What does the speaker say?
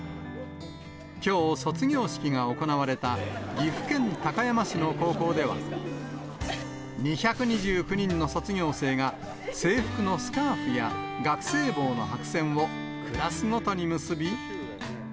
きょう卒業式が行われた、岐阜県高山市の高校では、２２９人の卒業生が、制服のスカーフや学生帽の白線をクラスごとに結び。